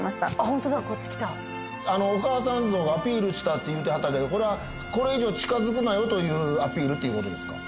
本当だこっち来たお母さん象がアピールしたって言うてはったけどこれはこれ以上近づくなよというアピールっていうことですか？